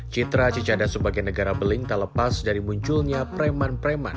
citra cicada sebagai negara beling tak lepas dari munculnya preman preman